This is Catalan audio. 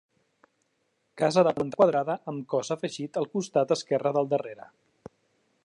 Casa de planta quadrada, amb cos afegit al costat esquerre del darrere.